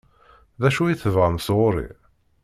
D acu i tebɣam sɣur-i?